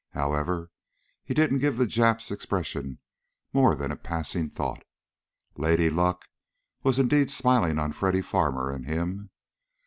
However, he didn't give the Jap's expression more than a passing thought. Lady Luck was indeed smiling on Freddy Farmer and him.